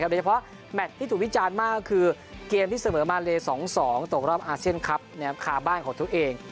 แมทที่ถูกวิจารณ์มากก็คือเกมที่เสมอมาเล๒๒ตกรอบอาเซียนคลับคาบ้านของตัวเอง